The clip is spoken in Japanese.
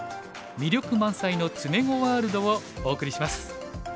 魅力満載の詰碁ワールド」をお送りします。